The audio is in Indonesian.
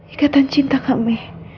ikatan cinta kami